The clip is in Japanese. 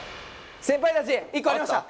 先輩たち１個ありました